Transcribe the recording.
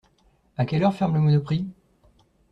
A quelle heure ferme le monoprix?